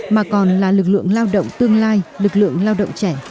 mà còn là lực lượng lao động tương lai lực lượng lao động trẻ